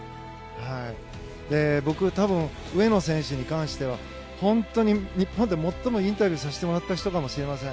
僕、多分上野選手に関しては日本で最もインタビューさせてもらった人かもしれません。